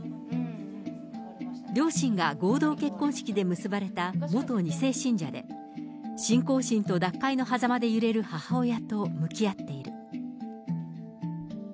両親が合同結婚式で結ばれた元２世信者で、信仰心と脱会のはざまで揺れる母親と向き合っている。